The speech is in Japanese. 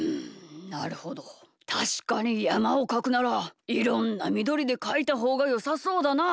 たしかにやまをかくならいろんなみどりでかいたほうがよさそうだな。